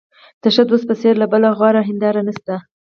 د ښه دوست په څېر بله غوره هنداره نشته.